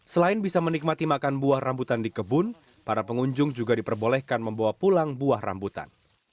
selain bisa menikmati makan buah rambutan di kebun para pengunjung juga diperbolehkan membawa pulang buah rambutan